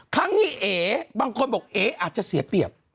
ครั้งนี้เอ๋บางคนบอกเอ๋อาจจะเสียเปรียบ